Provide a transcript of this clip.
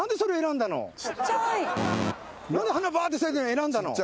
何で花バーッて咲いてんの選んだの？